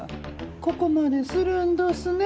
ここまでするんどすね。